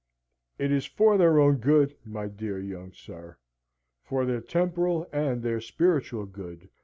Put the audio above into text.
"It is for their good, my dear young sir! for their temporal and their spiritual good!"